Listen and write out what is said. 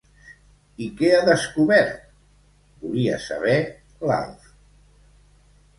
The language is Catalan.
I què ha descobert? —volia saber l'Alf.